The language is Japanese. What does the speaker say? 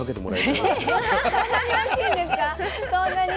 そんなに？